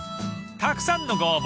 ［たくさんのご応募